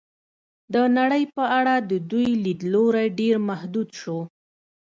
د نړۍ په اړه د دوی لید لوری ډېر محدود شو.